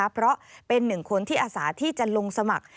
เพราะเป็นหนึ่งคนที่อาสาที่จะลงสมัคร